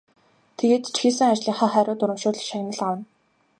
Тэгээд ч хийсэн ажлынхаа хариуд урамшуулал шагнал авна.